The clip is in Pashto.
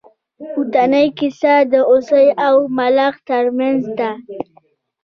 پورتنۍ کیسه د هوسۍ او ملخ تر منځ ده.